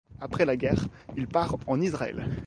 Après la guerre, il part en Israël.